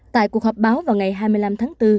tại cuộc họp báo vào ngày hai mươi năm tháng bốn